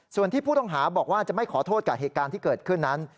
ส่วนที่ผู้ต้องหาบอกว่าจะไม่ขอโทษกับเหตุการณ์ที่เกิดขึ้นนั้น